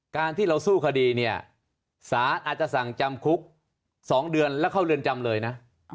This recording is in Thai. การที่เราสู้คดีเนี่ยสารอาจจะสั่งจำคุก๒เดือนแล้วเข้าเรือนจำเลยนะ